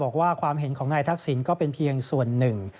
ความเห็นของนายทักษิณก็เป็นเพียงส่วนหนึ่ง